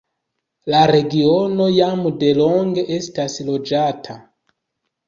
La regiono jam delonge estas loĝata.